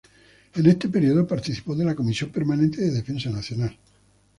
En este período participó de la comisión permanente de Defensa Nacional.